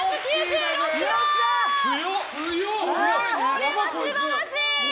これは素晴らしい！